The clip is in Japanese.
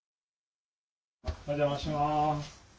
お邪魔します。